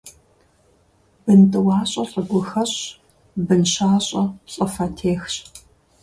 Бын тӀуащӀэ лӀы гу хэщӀщ, бын щащӀэ лӀы фэ техщ.